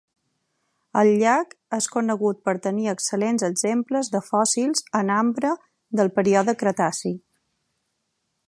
El llac és conegut per tenir excel·lents exemples de fòssils en ambre del període cretaci.